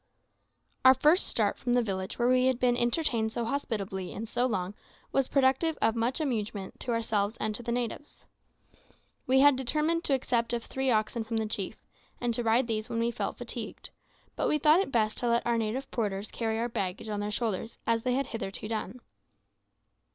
Our first start from the village where we had been entertained so hospitably and so long was productive of much amusement to ourselves and to the natives. We had determined to accept of three oxen from the chief, and to ride these when we felt fatigued; but we thought it best to let our native porters carry our baggage on their shoulders, as they had hitherto done.